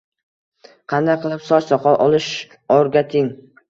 Qanday qilib soch-soqol olish o'rgating.